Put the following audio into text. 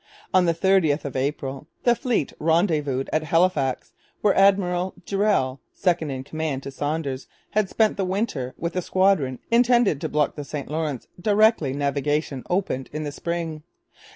On the 30th of April the fleet rendezvoused at Halifax, where Admiral Durell, second in command to Saunders, had spent the winter with a squadron intended to block the St Lawrence directly navigation opened in the spring.